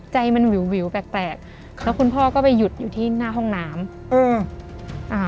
ใจมันวิวแปลกแล้วคุณพ่อก็ไปหยุดอยู่ที่หน้าห้องน้ำ